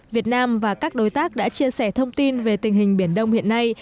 việt nam và các đối tác đã chia sẻ thông tin về tình hình biển đông hiện nay